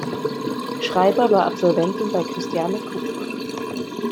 Schreiber war Absolventin bei Kristiane Kupfer.